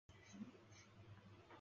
腹部可以看见粉红色的皮肤。